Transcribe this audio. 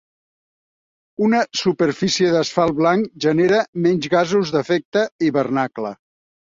Una superfície d'asfalt blanc genera menys gasos d'efecte hivernacle.